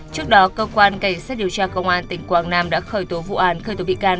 trước đó cơ quan cảnh sát điều tra công an tỉnh quảng nam đã khởi tố vụ án khởi tố bị can